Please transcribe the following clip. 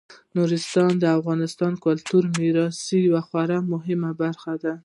نورستان د افغانستان د کلتوري میراث یوه خورا مهمه برخه ده.